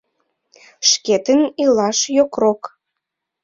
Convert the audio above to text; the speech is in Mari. — Шкетын илаш йокрок...